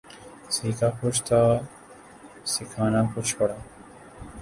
سیکھا کچھ تھا سکھانا کچھ پڑا